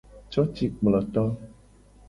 Cocikploto.